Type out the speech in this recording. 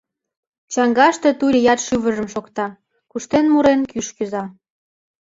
Чаҥгаште турият шӱвыржым шокта, куштен-мурен, кӱш кӱза.